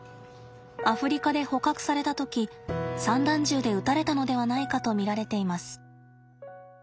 アフリカで捕獲された時散弾銃で撃たれたのではないかと見られています。